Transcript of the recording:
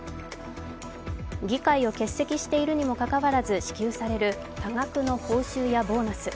議会を欠席しているにもかかわらず支給される多額の報酬やボーナス。